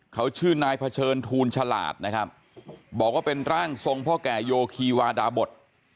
เขาชื่อนายเผชิญทูลฉลาดนะครับบอกว่าเป็นร่างทรงพ่อแก่โยคีวาดาบท